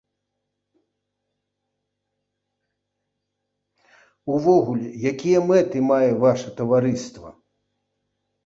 Увогуле, якія мэты мае ваша таварыства?